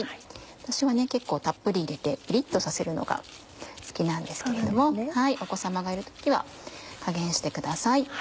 私は結構たっぷり入れてピリっとさせるのが好きなんですけれどもお子様がいる時は加減してください。